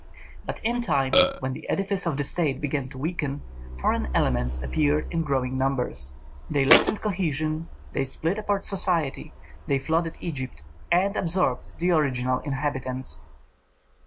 But in time, when the edifice of the state began to weaken, foreign elements appeared in growing numbers. They lessened cohesion, they split apart society, they flooded Egypt and absorbed the original inhabitants.